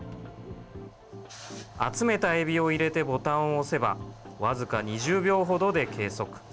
集めたエビを入れてボタンを押せば、僅か２０秒ほどで計測。